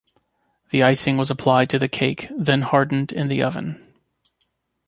The icing was applied to the cake then hardened in the oven.